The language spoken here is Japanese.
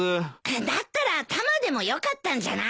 だったらタマでもよかったんじゃない？